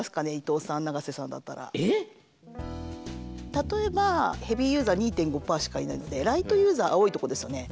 例えばヘービーユーザー２．５％しかいないのでライトユーザー青いとこですよね